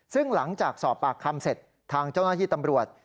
ซึ่งหลังจากสอบปากคำเสร็จทางเจ้าหน้าที่ตำรวจ